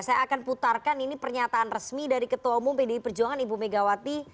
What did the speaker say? saya akan putarkan ini pernyataan resmi dari ketua umum pdi perjuangan ibu megawati